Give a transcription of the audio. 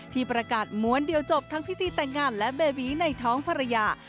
ที่ประกาศม้วนเดียวจบทั้งพิธีแต่งงานและเบบีในท้องภรรยา